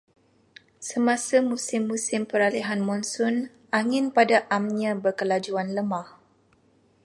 Semasa musim-musim peralihan monsun, angin pada amnya berkelajuan lemah.